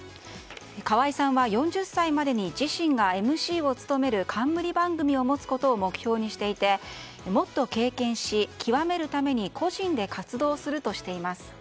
河合さんは４０歳までに自身がＭＣを務める冠番組を持つことを目標にしていてもっと経験し極めるために個人で活動するとしています。